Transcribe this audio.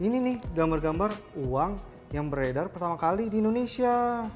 ini nih gambar gambar uang yang beredar pertama kali di indonesia